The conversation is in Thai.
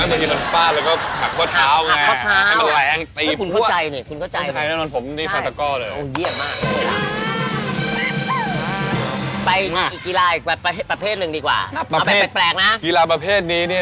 ตอนเซอร์ฟหลังเท้าอดีตนักก็กว่ทีมชาติไทย